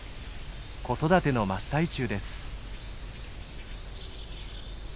子育ての真っ最中です。